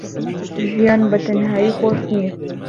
ژیان بەتەنهایی خۆش نییە.